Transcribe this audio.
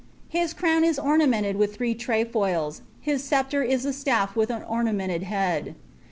Uis crown ii ornamented with [liree trefoils^ his sceptre is a staff with an ornamented head.